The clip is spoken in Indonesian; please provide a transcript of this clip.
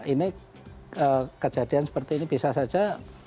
ini kejadian seperti ini bisa saja